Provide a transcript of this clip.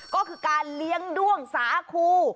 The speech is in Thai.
ก็คือการเลี้ยงด้วงสาคู